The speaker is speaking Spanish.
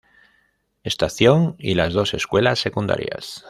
Estación, y las dos escuelas secundarias.